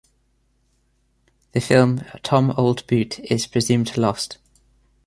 The film "Tom Old Boot" is presumed lost.